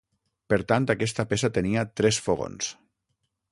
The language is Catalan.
Per tant, aquesta peça tenia tres fogons.